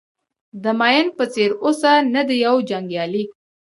د مین په څېر اوسه نه د یو جنګیالي.